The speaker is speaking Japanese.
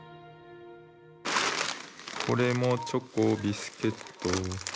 これもチョコビスケット。